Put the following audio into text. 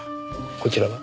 こちらは？